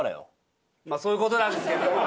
まあそういう事なんですけれども。